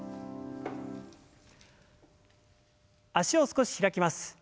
脚を少し開きます。